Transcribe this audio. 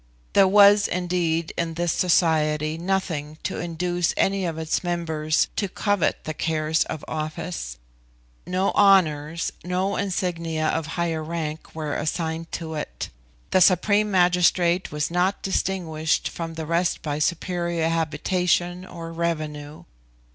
There was indeed in this society nothing to induce any of its members to covet the cares of office. No honours, no insignia of higher rank, were assigned to it. The supreme magistrate was not distinguished from the rest by superior habitation or revenue.